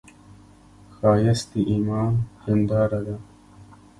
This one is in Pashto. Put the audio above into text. ښایست د ایمان هنداره ده